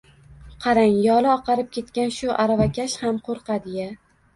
Qarang, yoli oqarib ketgan shu aravakash ham qo‘rqadi-ya